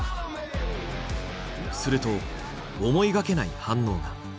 すると思いがけない反応が。